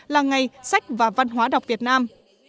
là ngày sách và văn hóa đọc việt nam